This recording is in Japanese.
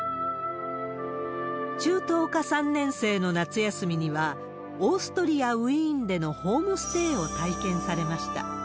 中等科３年生の夏休みには、オーストリア・ウィーンでのホームステイを体験されました。